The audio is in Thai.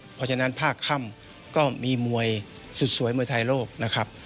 เพราะฉะนั้นภาคค่ำก็มีมวยสุดสวยมวยไทยโลกนะครับ